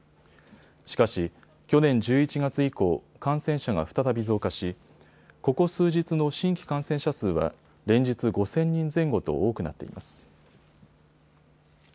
しかし、去年１１月以降感染者が再び増加しここ数日の新規感染者数は連日５０００人前後と多くなっています。